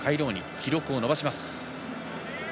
記録を伸ばします。